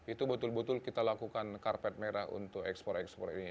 itu betul betul kita lakukan karpet merah untuk ekspor ekspor ini